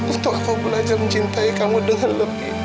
untuk kau belajar mencintai kamu dengan lebih